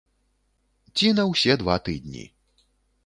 Ці на ўсе два тыдні.